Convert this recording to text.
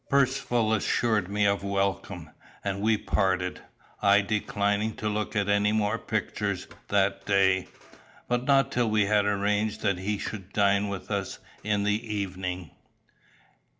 Percivale assured me of welcome, and we parted, I declining to look at any more pictures that day, but not till we had arranged that he should dine with us in the evening.